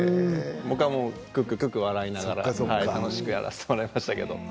僕はくっくと笑いながら楽しくやらせてもらいましたけど。